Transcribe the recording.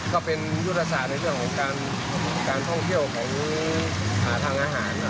ก็เป็นยุทธศาสตร์ในเรื่องของการท่องเที่ยวของหาทางอาหาร